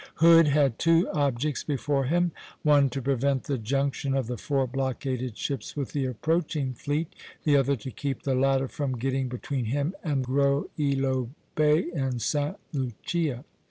Hood had two objects before him, one to prevent the junction of the four blockaded ships with the approaching fleet, the other to keep the latter from getting between him and Gros Ilot Bay in Sta. Lucia.